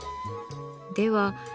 では